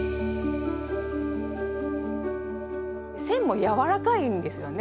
線もやわらかいんですよね